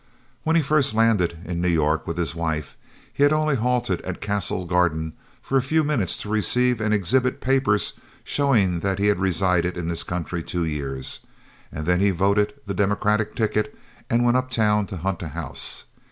When he first landed in New York with his wife, he had only halted at Castle Garden for a few minutes to receive and exhibit papers showing that he had resided in this country two years and then he voted the democratic ticket and went up town to hunt a house.